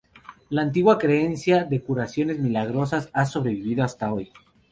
La antigua creencia de curaciones milagrosas ha sobrevivido hasta hoy.